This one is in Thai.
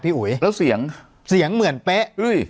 อุ๋ยแล้วเสียงเสียงเหมือนเป๊ะ